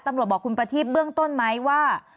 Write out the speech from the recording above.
ตำรวจบอกคุณประทีพเบื้องต้นไหมว่า